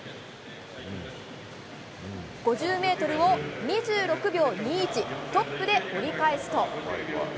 ５０メートルを２６秒２１、トップで折り返すと。